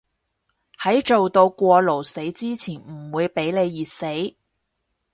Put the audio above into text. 喺做到過勞死之前唔會畀你熱死